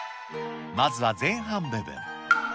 まずは前半部分。